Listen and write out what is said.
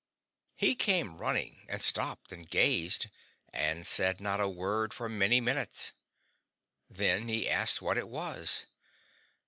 He came running, and stopped and gazed, and said not a word for many minutes. Then he asked what it was.